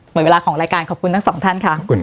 หมดเวลาของรายการขอบคุณทั้งสองท่านค่ะ